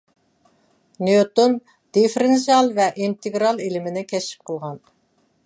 نيۇتون دىففېرېنسىئال ۋە ئىنتېگرال ئىلمىنى كەشىپ قىلغان